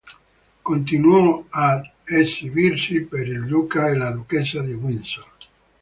Continuò ad esibirsi per il Duca e la Duchessa di Windsor.